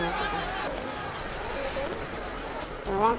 kemudian saya di klinik tuh